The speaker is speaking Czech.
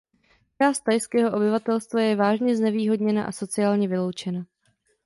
Část thajského obyvatelstva je vážně znevýhodněna a sociálně vyloučena.